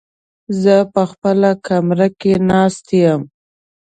زه په خپله کمره کې ناست يم.